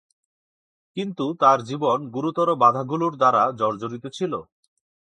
কিন্তু, তার জীবন গুরুতর বাধাগুলোর দ্বারা জর্জরিত ছিল।